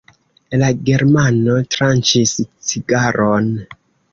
La germano tranĉis cigaron.